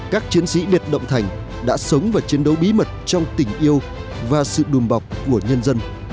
các chiến sĩ biệt động thành đã sống và chiến đấu bí mật trong tình yêu và sự đùm bọc của nhân dân